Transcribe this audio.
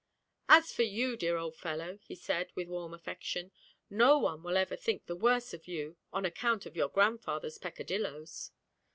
'As for you, dear old fellow,' he said, with warm affection, 'no one will ever think the worse of you on account of your grandfather's peccadilloes.'